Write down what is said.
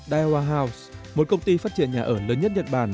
daiwa một công ty phát triển nhà ở lớn nhất nhật bản